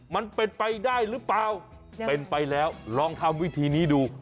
มันเป็นไปได้หรือเปล่าเป็นไปแล้วลองทำวิธีนี้ดู